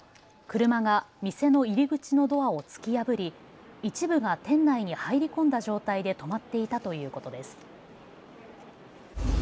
車が店の入り口のドアを突き破り一部が店内に入り込んだ状態で止まっていたということです。